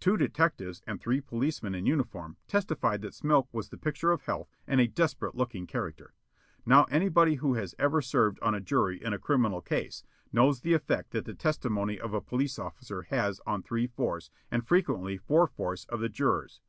Two detectives and three policemen in uniform testified that Smilk was the picture of health and a desperate looking character. Now anybody who has ever served on a jury in a criminal case knows the effect that the testimony of a police officer has on three fourths and frequently four fourths, of the jurors.